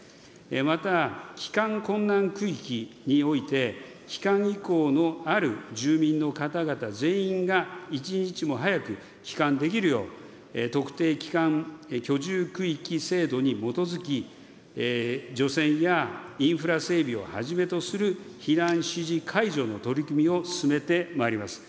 また帰還困難区域において、帰還意向のある住民の方々全員が、一日も早く帰還できるよう、特定期間居住区域制度に基づき除染やインフラ整備をはじめとする避難指示解除の取り組みを進めてまいります。